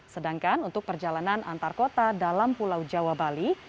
sedangkan untuk perjalanan antar kota dalam pulau jawa bali